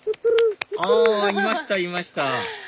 あいましたいました